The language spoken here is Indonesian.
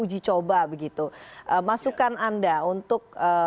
uji coba begitu masukan anda untuk